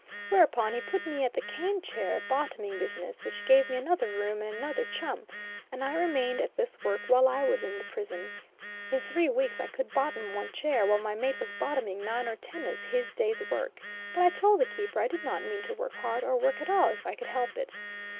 Whereupon he put me at the cane chair bottoming business, which gave me another room and another chum, and I remained at this work while I was in the prison. In three weeks I could bottom one chair, while my mate was bottoming nine or ten as his day's work; but I told the keeper I did not mean to work hard, or work at all, if I could help it.